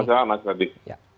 masya allah mas radwi